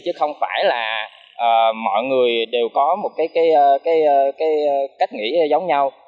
chứ không phải là mọi người đều có một cái cách nghĩ giống nhau